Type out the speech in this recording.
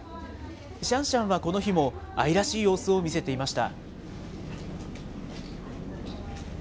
シャンシャンはこの日も愛らしい様子を見せていました。